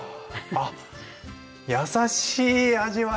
あっ優しい味わい。